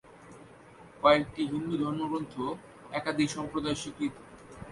কয়েকটি হিন্দু ধর্মগ্রন্থ একাধিক সম্প্রদায়ে স্বীকৃত।